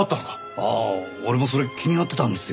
ああ俺もそれ気になってたんですよ。